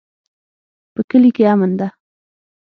په کلي کې امن ده